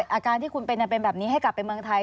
อาการที่คุณเป็นเป็นแบบนี้ให้กลับไปเมืองไทย